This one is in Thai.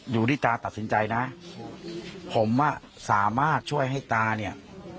อยู่ที่ตาตัดสินใจนะผมอ่ะสามารถช่วยให้ตาเนี่ย